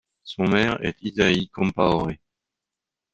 Son maire est Izaye Compaore.